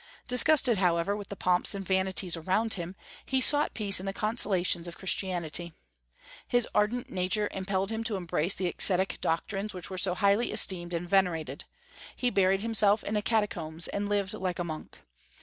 Disgusted, however, with the pomps and vanities around him, he sought peace in the consolations of Christianity. His ardent nature impelled him to embrace the ascetic doctrines which were so highly esteemed and venerated; he buried himself in the catacombs, and lived like a monk.